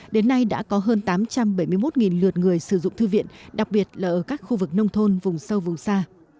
đến nay đã có hơn tám trăm bảy mươi một lượt người sử dụng thư viện đặc biệt là ở các khu vực nông thôn vùng sâu vùng xa